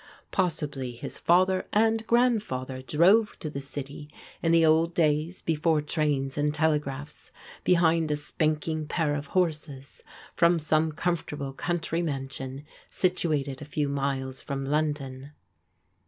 Pos sibly his father and grandfather drove to the city, in the old days before trains and telegraphs, behind a spanking pair of horses, from some comfortable cotmtry mansion situated a few miles from London.